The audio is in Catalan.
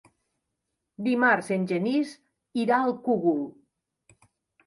Dimarts en Genís irà al Cogul.